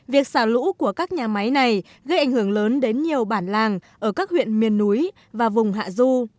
việc xả lũ của các nhà máy này gây ảnh hưởng lớn đến nhiều bản làng ở các huyện miền núi và vùng hạ du